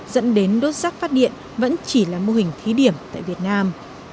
dẫn đến đốt rác phát điện vẫn chỉ là mô hình thí điểm tại việt nam